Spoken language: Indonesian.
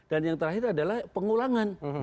dan yang terakhir adalah pengulangan